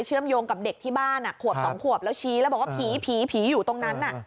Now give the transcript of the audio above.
หวบแล้วชี้แล้วบอกว่าผีผีผีอยู่ตรงนั้นน่ะ